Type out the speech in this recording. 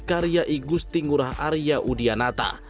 karya igusti ngurah arya udianata